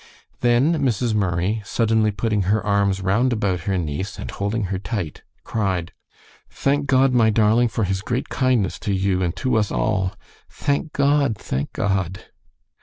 Then Mrs. Murray, suddenly putting her arms round about her niece, and holding her tight, cried: "Thank God, my darling, for his great kindness to you and to us all. Thank God! thank God!"